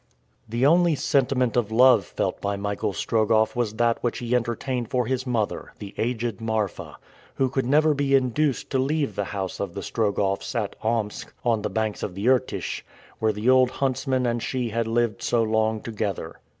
The only sentiment of love felt by Michael Strogoff was that which he entertained for his mother, the aged Marfa, who could never be induced to leave the house of the Strogoffs, at Omsk, on the banks of the Irtish, where the old huntsman and she had lived so long together.